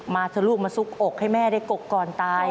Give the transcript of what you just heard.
เถอะลูกมาซุกอกให้แม่ได้กกก่อนตาย